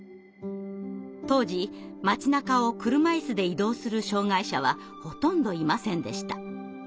当時街なかを車いすで移動する障害者はほとんどいませんでした。